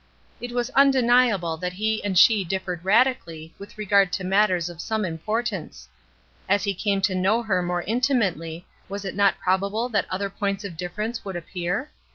It was undeniable that he and she differed radically with regard to matters 304 WHY SHE ''QUIT" 305 of some importance. As he came to know her more intimately was it not probable that other points of difference would appear?